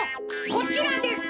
こちらです。